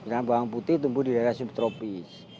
dan bawang putih tumbuh di daerah subtropis